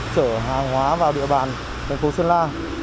chở hàng hóa vào địa bàn thành phố sơn la